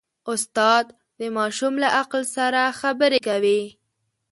استاد د ماشوم له عقل سره خبرې کوي.